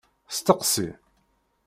Steqsi!